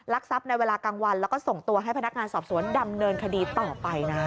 ทรัพย์ในเวลากลางวันแล้วก็ส่งตัวให้พนักงานสอบสวนดำเนินคดีต่อไปนะ